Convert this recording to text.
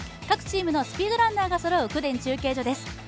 各チームのスピードランナーがそろう公田中継所です。